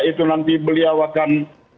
itu nanti beliau akan